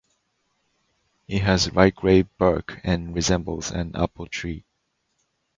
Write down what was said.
It has light grey bark and resembles an apple tree.